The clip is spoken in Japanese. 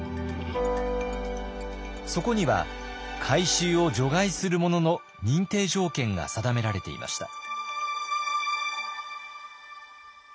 そこには回収を除外するものの認定条件が定められていました。